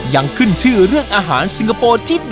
ยังขึ้นชื่อเรื่องอาหารสิงคโปร์ที่๑